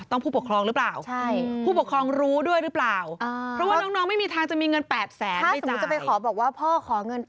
ต้องผู้ปกครองหรือเปล่าเพราะว่าน้องไม่มีทางจะมีเงิน๘๐๐๐๐๐ที่จ่าย